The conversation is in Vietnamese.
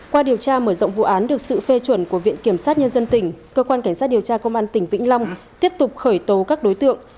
qua điều tra mở rộng vụ án được sự phê chuẩn của viện kiểm sát nhân dân tỉnh cơ quan cảnh sát điều tra công an tỉnh vĩnh long tiếp tục khởi tố các đối tượng